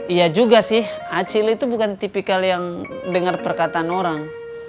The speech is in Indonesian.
iya juga sih acil itu bukan tipikal yang dengar perkataan orang